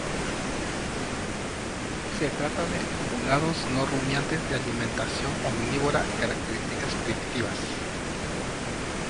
Se trata de ungulados no-rumiantes de alimentación omnívora y características primitivas.